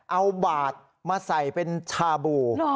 เอาบาดมาใส่เป็นชาบู